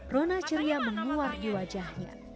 rona ceria menguap di wajahnya